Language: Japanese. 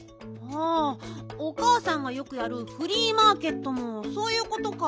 あおかあさんがよくやるフリーマーケットもそういうことか。